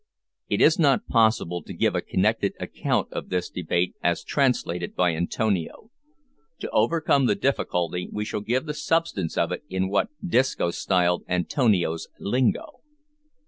It is not possible to give a connected account of this debate as translated by Antonio. To overcome the difficulty we shall give the substance of it in what Disco styled Antonio's "lingo."